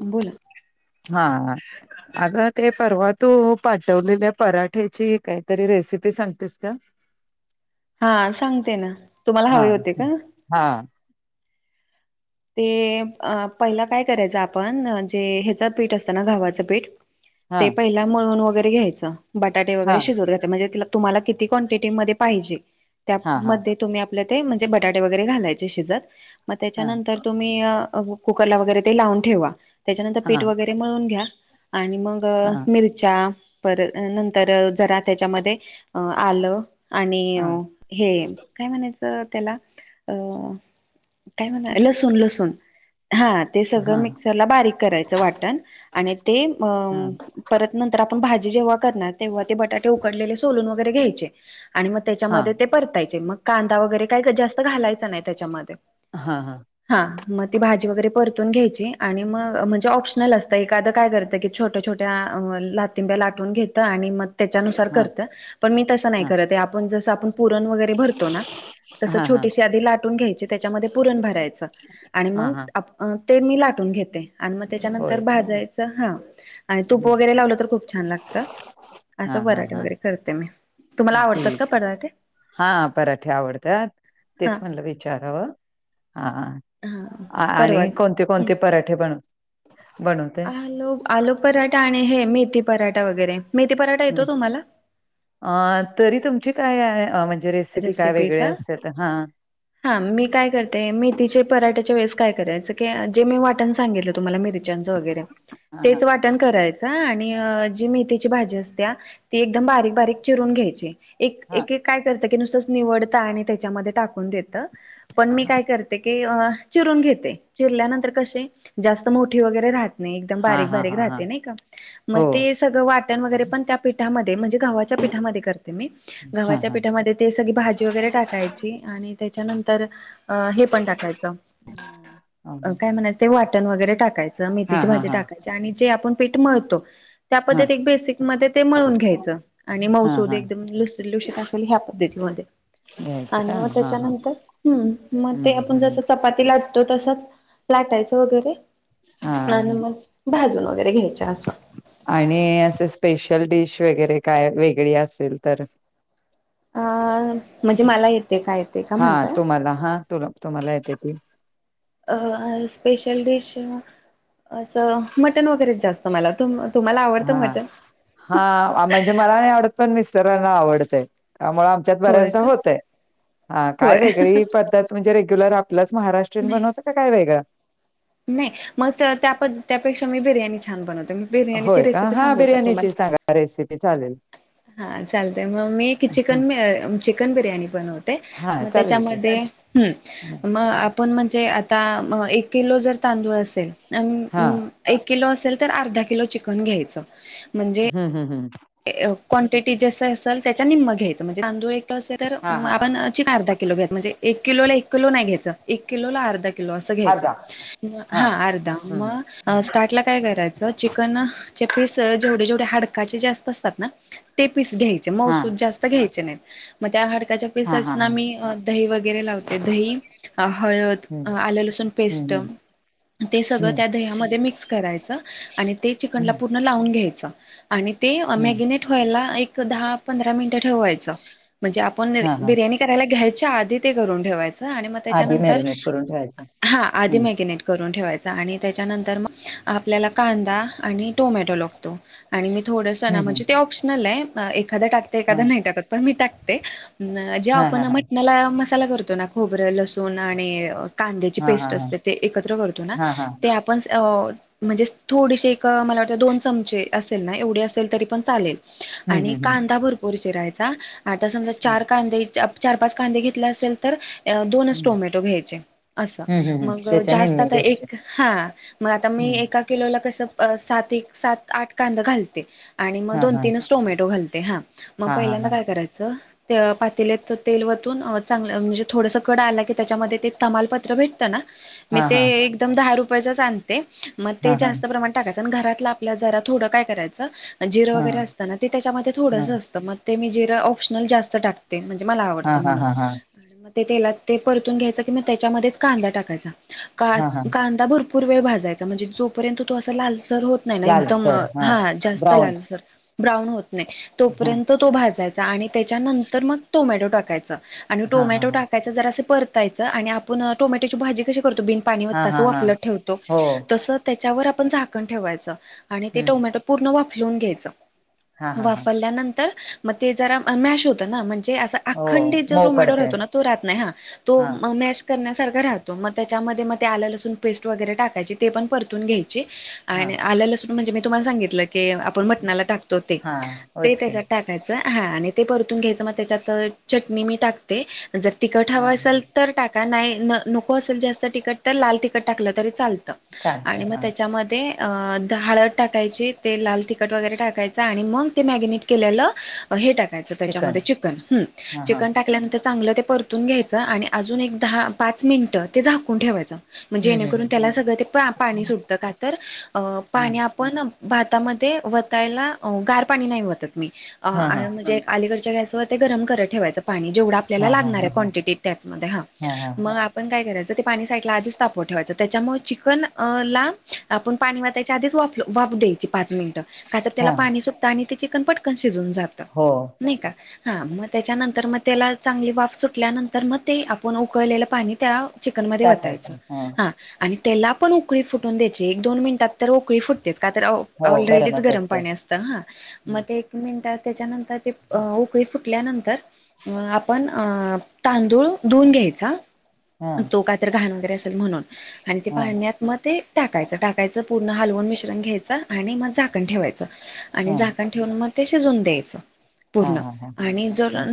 बोला. हा अग ते परवा तू पाठवलेल्या पराठ्याची काहीतरी रेसिपी सांगतेस का हा सांगते ना तुम्हाला हा हवे होते का हा ते पहिला काय करायचं आपण जे ह्याचं पीठ असत ना घावाचं पीठ हा ते पहिला मळून वगैरे घ्यायचं बटाटे हा वगैरे शिजवून घ्यायच म्हणजे तिला तुम्हाला किती क्वांटिटी मध्ये पाहिजे हा हा त्यामध्ये तुम्ही आपल ते म्हणजे बटाटे वगैरे घालायचे शिजत मग हा त्याच्यानंतर तुम्ही कुकरला वगैरे ते लावून ठेवा त्याच्यानंतर हा पीठ हा वगैरे मिळून घ्या आणि मग हा मिरच्या परत नंतर जरा त्याच्यामध्ये आलं आणि हा हे काय म्हणायचं त्याला अ काय म्हणा लसून लसून हा ते हा सगळं हा मिक्सरला बारीक करायचं वाटण आणि ते हा परत नंतर आपण भाजी जेव्हा करणार तेव्हा ते बटाटे उकडलेले सोलून वगैरे घ्यायचे आणि मग त्याच्यामध्ये ते परतायचे मग कांदा वगैरे काय जास्त घालायचं नाही त्याच्यामध्ये हा हा हा मग ती भाजी वगैरे परतून घ्यायची आणि मग म्हणजे ऑप्शनल असत एखादं काय करत की छोट्या छोट्या लाातिंब्या लाटवून घेतं आणि मग त्यांच नुसार करत पण मीतस नाही करत आपण जस करत पुरण वगैरे भरतो ना तस हा हा छोटीशी आधी लाटून घ्यायची त्याच्यामध्ये पुरण भरायच आणि हा मग हा ते मी लाटून घेते आणि मग होय त्याच्यानंतर भाजायचं हा आणि तूप वगैरे लावलं तर खूप छान लागतं हा असं हा पराठे हा वगैरे करते मी तुम्हाला आवडतात का ठीक पराठे हा पराठे आवडतात हा तेच म्हटलं विचारावं हा हा परवा आणि कोणते कोणते पराठे बनवतात आलो आलो पराठा आणि हे मेथी पराठा वगैरे मेथी पराठा येतो मी तुम्हाला ठीकाय रेसिपी का हा मी काय करते मेथीचे पराठे च्या वेळेस काय करायच जे मी वाटण सांगितलं तुम्हाला मिरच्याच वगैरे हा हा तेच वाटण करायचं आणि जी मेथीची भाजी अस तिय ती एकदम बारीक बारीक चिरून घ्यायची एक हा एक एक काय करतं की नुसतंच निवडतं आणि त्याच्यामध्ये टाकून देत पण हा मी हा काय करते की आचिरून घेते चिरल्यानंतर कसे जास्त मोठी वगैरे राहत नाही एकदम हा बारीक हा बारीक हा हा राहते नाही का हो मग ते सगळ वाटण वैगेरे त्या पीठामध्ये गव्हाच्या पाठामध्ये करते मी हा गव्हाच्या हा पीठामध्येभाजी वगेरे टाकायची त्याच्या नतर हे पण टाकायच अम, काय म्हणायचं वा मिट वगैरे टाकायचं हा मेथीची हा भाजी हा टाकायच आणि जे आपण पीठ मळतो त्या हा पद्धतीत एक बेसिक मध्ये ते मळून घ्यायचं आणि हा मौसूद हा एक दम लुस लुशीत अस ह्या पद्धतीवर घ्यायचं आणि का मग हा हा त्याच्यानंतर हम् मग ते हम्म आपण हम्म जस चपातीला तो तसच लाटाचा वगैरे आणि कही मग भाजून वगैरे घ्यायच्या असं नही अस् स त्या वेळी डिस वगैरे काय वेगळी असेल तर अं म्हणजे मला येते काय येते का हा म्हणताय तुम्हाला हा तुला तुम्हाला येते की अ स्पेशल डिश असं मटन वगैरेच जास्त मला तुम तुम्हाला आवडतं हा मटण हा म्हणजे मला नाही आवडत पण मिस्टरांना आवडतय यामुळे आमच्यात होय बऱ्याचदा का होतय हा काय होय वेगळी पद्धत म्हणजे रेग्युलर आपलंच महाराष्ट्रीइन नाही बनवतं का काय वेगळं नाही मग त त्या प त्यापेक्षा मी बिर्याणी छान बनव होय का हा बिर्याणीची सांगा रेसिपी चालेल. हा चालतय म मी चिकन मे चिकन बिर्याणी बनवते हा म चालेल की त्याच्यामध्ये हम् म आपण म्हणजे आ ता म एक किलो जर तांदूळ असेल हा त अ किलो अस त तर अर्धा किलो चिकन घ्यायच. हम्म हम्म हम्म ए क्वांटिटी जस असेल त्याच्या निम्म घ्यायचं म्हणजे तांदूळ एक असेल तर हा हा हा आपण हा चि आर्धा घ्या किलो घायचा म्हणजे एक किलो एक किलो नाय घ्यायचा एक किलोला आर्धा किलो अस घेयच अर्धा म हा अर्धा हम्म म हम्म अ स्टार्ट ला काय करायचं चिकन न ते पीस जेवढे जेवढे हडकाचे जास्त असतात ना ते पीस घ्यायचे हा मऊसूद जास्त घ्यायचे नाय. म त्या हाड त्याच्या हा हा हा पिसेसना मी अ दही वगैरे लावते दही, हळद, हम्म आलं लसूण हम्म पेस्ट हम्म ते सगळं हम्म त्या दह्यामध्ये मिक्स करायचं आणि ते हम्म चिकनला पूर्ण लावून घ्याय च आणि ते हम्म मॅगिनेट व्हायला एक दहा पंधरा मिनिट ठेवायचं. म्हणजे आपण हा हा बिर्याणी करायला घ्यायच्या आधी ते करून ठेवाय चं म आधी त्याच्यांनंतर मॅरिनेट करून ठेवायचं हा आधी हम्म मेगेनेट करून ठेवायचा आणि त्याच्यानंतर म आपल्याला कांदा आणि टोमॅटो लागतो. आणि मी थोड सण हम्म म्हणजे हम्म ते ऑप्शनल ये एखादा टाकते हा एखादा नाही टाकत पण मी टाकते. नं जेव्हा हा हा आपण हा मटणाला मसाला करतो ना खोबरं लसूण आणि कांद्याची हा हा पेस्ट असते ते एकत्र करतो ना हा हा हा ते आपण अ म्हणजे थोडीशी एक क मला वाटत दोन चमचे असेल ना एवढी असेल तरी पण चालेल हम्म आणि हम्म हम्म कांदा भरपूर चिरायचा आता समजा हम्म चार कांदे चार पाच कांदे घेतले असेल तर अ दोनच हम्म टोमॅटो घ्यायचे असं हम्म हम्म हम्म मग त्याच्या जास्त निम्मे आता घ्यायचे एक हा म आता मी हम्म एका किलोला कसं अ सात एक सात आठ कांद घालते. आणि मग हा दोन हा तीनच टोमॅटो घालते. हा म हा हा पहिल्यांदा काय करायचं त्य पातेल्यात तेल वतून चांगलं म्हणजे थोडस कड आला की त्याच्यामध्ये ते तमाल पत्र भेट त ना मी हा हा ते हा एकदम दहा रुपयाचाच आणते. म ते हा हा जास्त प्रमान टाकायच पण घरातला आपल्या जरा थोडं काय करायच जीर हा हा वगैरे असत ना ते त्याच्यामध्ये हा थोडस असतं म ते मी जिरं ऑप्शनल जास्त टाकते. म्हणजे मला आवडतं हा म्हणून हा आणि मग ते तेलात ते परतून घ्यायच की म त्याच्यामध्येच कांदा टाकायचा का हा हा कांदा भरपूर वेळ भाज जायचा म्हणजे जोपर्यंत तो लालसर होत नाय ना एकदम हा जास्त ब्राऊन लालसर ब्राऊन होत नाय हा तोपर्यंत तो भाजायचा आणि त्याच्यानंतर मग टोमॅटो टाकायचा. आणि हा हा टोमॅटो हा टाकायचं जरासं परतायचं आणि आपण टोमॅटोची भाजी कशी करतो बिन पानी हा वतता अस हा हा वाफलत ठेवतो. हो तस त्याच्यावर आपण झाकण ठेवायच. आणि ते हम्म टोमॅटो पूर्ण वाफलुन घ्यायच हा हा हा वाफल्यानं- तर म ते जरा मॅश होत ना म्हण हे असं हो अखंडित जो मऊ टोमॅटो पडते रातो ना तो राहत नाय ह तो हां, मॅश करण्यासारखा राहतो म त्याच्यामध्ये म ते आल लसून पेस्ट वगैरे टाकायची ते पण परतून घ्याय ची आण हां, आलं लसुण म्हणजे मी तुम्हाला सांगितल की आपण मटणाला टाक तो ते हां. ते ओके. त्याजात टाकायच हा आणि ते परतून घ्यायचं म त्याच्यात चटणी मी टाकते जर तिकट हव हां, हां. असल तर टाका नाही न नको असल जास्त तिकट तर लाल तिकट टाकलं तरी चाल त चालतंय. आणि म हां. त्याच्यामध्ये अ द हाळद टाकायची. ते लाल तिखट वगैरे टाकायच आणि मग ते मॅगिनेट केलेलं हे टाक यच त्याच्यामध्ये चिकन हं हां, हां. चिकन टाल्यानंतर चांगलं ते परतून घ्यायचं. आणि अजून एक दहा पाच मिनिटं ते झाकून ठेवायचं. म हं, हं, जेणेकरून हं. त्याला सगळं ते पा पाणी सुटतं का तर अ हां, पाणी आपण भातामध्ये वतायला गार पाणी नाही ओतत मी हां, हां. म्हणजे अलीकड अलीकडच्या गॅसवर ते गरम करत ठेवायच पाणी जेवढ आपल्याला हां, हां, लागणार हां, हां. काॅन्टीटी टाईप मध्ये हां, हां. मग आपण काय करायच [inaudible] पाणी साईटला आधीच तपवून ठेवाचं- त्याच्यामुळे चिकन ला आपण पाणी वतायच्या आधीच वाप वाप देत- पाच मिनट का तर त्याला हां. पाणी सुटत आणि ते चिकन पटकन सुकत शिजून जात हो. नाही का हा मग ते त्याच्यानंतर मग त्याला चांगली वाफ सुटल्यानंतर मग ते आपण उकळलेलं पाणी त्या- चिकनमध्ये वतायचं टाकायचं. हां. हा आणि- त्याला पण उकळी फुटून द्याय एक दोन मिनिटात तर उकळी फुटतेच का तर- हो ऑलरेडीच गरमच गरम असते. पाणी असतं हा हं. मग एक मिनिटात त्याच्यानंतर ते उकळी फुटल्यानंतर आपण तांदूळ धुून घेय हां, [inaudible] तो कायतर घाणेदॖ असेल म्हणून मी ते हां, पाण्यात म ते टाकायचं टाकायचं पूर्ण हलवून मिश्रण घ्यायच आणि मग झाकण ठेवायचं आणि हां. झाकण ठेवून मग ते शिजून द्यायचं हां, पूर्ण हां, हां. आणि जर हां.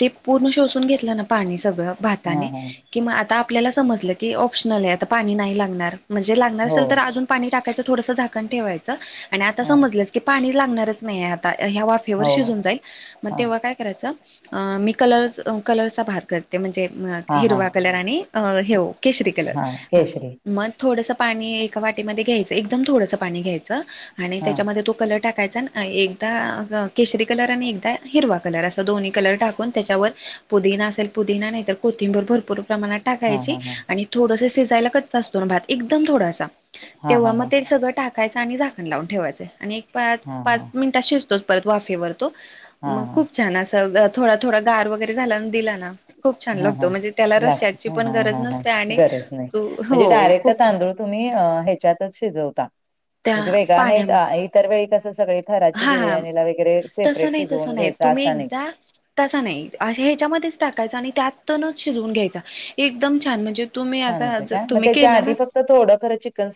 ते पूर्ण शोषून घेतलं ना पाणी सगळं हां, भाताने हां. किवा आता आपल्याला समजलं की ऑप्शनल आहे आता पाणी नाही लागणार- म्हणजे लागणार हो. असेल तर अजून पाणी टाकायचं थोडसं झाकण ठेवायचं आणि आता हां. समजलं की पाणी- लागनारेच नाहीये [inaudible] ह्या वाफेवर हो. शिजून जाईल मग हां. तेव्हा काय करायचं मी कलर कलरचा भात [inaudible] ते म्हणजे हां, हां. हिरवा कलर आणि अं ह्ये केशरी हां. कलर केशरी. मग थोडस- पाणी एका वाटीमध्ये घ्यायचं एकदम थोडस पाणी घ्यायचं आणि हां. त्याच्यामध्ये तो कलर- टाकायचा एकदा केशरी कलर आणि एकदा हिरवा कलर अस- दोन्ही कलर टाकून त्याच्यावर पुदीना असेल पुदीना नाही तर कोथिंबरूर भर- पूर प्रमाणात हां, टाकायची हां, हां. आणि थोडसं शिजायला कचा असतो ना भात एकदम थोडासा- हां, तेव्हा हां, मग हां. ते सगळं टाकायचं आणि झाकण लावून ठेवायचं आणि पाच हां, पाच हां. मिनटात शिज- वाफेवर तो हां, मग हां. खूप छान अस थोडा- थोडा गार वगरे झाला न दिला- खूप छान हा हा लागतो म्हणजे त्याला लागत रश्याची का पण हा गरज हा हा नसते आणि गरज नाही तू हो म्हणजे डायरेक्ट खूप छान- तांदूळ तुम्ही ह्याच्यातच शिजवता [inaudible] त्या म्हणजे वेगळा पाण्यामध्ये नाही इतर वेळी कसं सगळी थराची हा हा बिर्याणीला वगैरे तसं सेपरेट नाही तसं शिजून नाही घ्यायच- तुम्ही एकदा तसा नाही ह्याच्या- टाकायचा आणि त्यातूनच शिजवून घ्यायचा एकदम छान म्हणजे- तुम्ही छान आता होते ज काय मग तुम्ही त्याच्या केला ना आधी फक्त थोडं खरं चिकन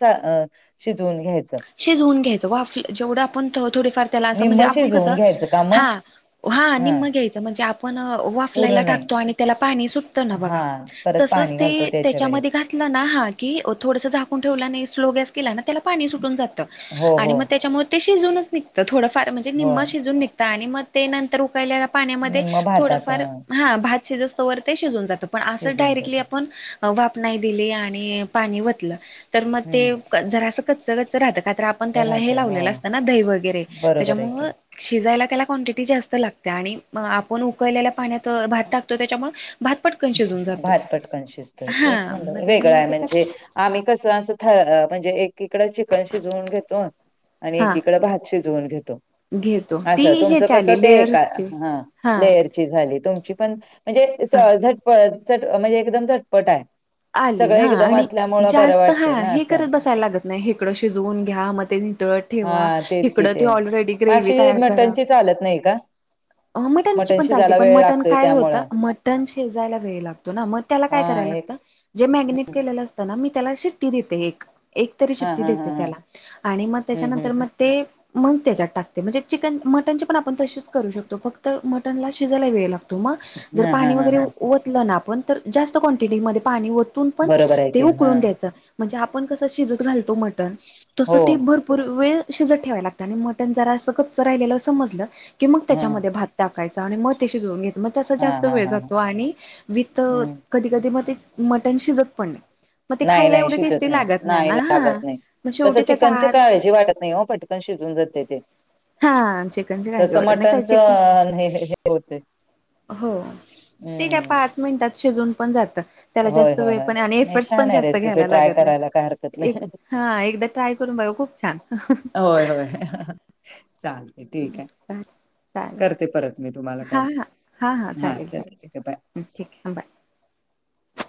शिजवून घ्यायचं शिजवून घ्यायंच वाफे जेवढं आपण थोडी फार त्याला असं म्हणजे निम्म अपुण कस शिजवून घ्यायचं का मग हा हा निम्मं घेयच म्हणजे आपण वाफलाय- त्यात पूर्ण नाही टाकतो आणि त्याला पाणी सुटत ना बघा हा परत तसच पाणी ते घालतो त्याच्या वेळी त्याच्यामध्ये घातलं ना हा कि- थोडस झाकून ठेवल्याने स्लेट गॅस [inaudible] त्या पा हो जात हो मग त्याच्याूनचघ थड म्हणजे नि् होय शिजून निघ आणि मग नंतर उकळले पाण्या निम्म भातात थोडफार हा भात शिजस्तोवर ते शिजून जातं पण असं शिजवून डायरेक्टली जात आपण वाफ नाही दि पा तर मग हम्म ज कच कच रा तर आपण त्याला हे राहतय हो लावलेलं असतं ना दही वगैरे बरोबर आहे त्याच्यामु की शिजायला त्याला क्वांटिटी जास्त लागते आणि आपण उकळलेल्या पाण्यात भात टाकतो त्याच्यामुळे भात पटकन शिजून जातो भात पटकन शिजतय हा तेच म्हण मग वेगळं त्याच्यामुळे आहे ते कस म्हणजे आम्ही कसं असं म्हणजे एककडं चिकन शिजवून घेतो आणि एकीकडं भात शिजवून घेतो घेत असं तुमचं कसं ते आहे का हा लेयरची झाली तुमची पण म्हणजे झ हा ट म्हणजे एकदम झटपट आहे आली सगळं हा एकदम आणि असल्यामुळे बरं जास्त हा वाटतंय ना हे असं करत बसायला लागत नाही हेकडं शिजवून घ्या मग ते ितळत ठेवा हा तेच इड कि त ते ऑलरेडी मग ग्रे अशी तयार करा मटणची चालत नाही का मटनची मटण पण चालते शिजायला पण वेळ मटन लागतोय काय होत त्यामुळं मटन शिजायला वेळ लागतो ना मग हा त्यालाय कराला लागत. एक जे मॅगिनेट हम्म. केलेलं असताना मी त्याला शिट्टी देते एक एकतरी हा सुट्टी हा देते हा हा त्याला आणि मग हम्म त्याच्यानंतर मग हम्म ते मग त्याच्यात टाकते म्हणजे चिकन मटनची पण आपण तशीच करू शकतो, फक्त मटनला शिजायला वेळ लागतो. व हा क हा हा हा बरोबर आहे की ण उकळुन हां. द्यायच म्हणजे आपण कस शिजत घालतो मटन हो. तसते भरपूर वेळ शिजत ठेवाय लागत आणि मटन जरा स कच राहिलेलं समजलं की मग हं. त्याच्यामध्ये भात टाक कायच आणि मग ते शीजुून घ्याय मग त हां, जास्त हां, वेळ हां. जातो आणि व विथ हं. कधी कधी मग ते मटन शिजत पण नाही मग ते नाही खायला नाही एवढे शिकत टेस्टी नाही लागत नाही ना हा लागत नाही. मग तसं शेवटी त्याचा चिकनची आर्क काळजी वाटत नाही हो पटकन शिजून जाते ते. हा चिकनची तस काळजी वाटत नाही काय चिकन मटणचं हे हे होते. हो ते काय हं. पाच मिनिटात शिजून पण जात. त्याला होय, जास्त होय, वेळ होय. पण नाही एफर्ट पण छान आहे जास्त रेसिपी घ्यायला ट्राय लागत करायला काय हरकत नाही हा एकदा ट्राय करून बघ खूप छान. होय होय चालते ठीक आहे. चालेल चालेल करते परत मी तुम्हाला हा कॉल हा हा चालेल चल चालेल ठीक आहे बाय. ठीक आहे बाय.